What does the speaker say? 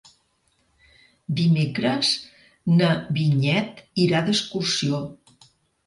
Dimecres na Vinyet irà d'excursió.